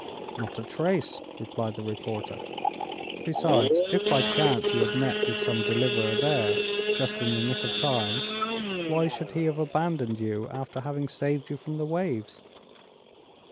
"Not a trace," replied the reporter; "besides, if by chance you had met with some deliverer there, just in the nick of time, why should he have abandoned you after having saved you from the waves?"